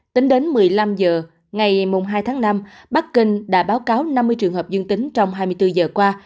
tính đến một mươi năm h ngày hai tháng năm bắc kinh đã báo cáo năm mươi trường hợp dương tính trong hai mươi bốn giờ qua